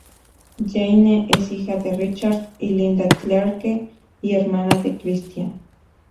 Jane es hija de Richard y Linda Clarke y hermana de Christian.